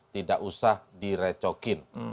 tidak usah direcokin